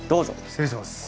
失礼します。